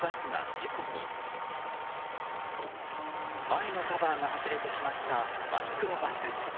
前のカバーが外れてしまったマイクロバス。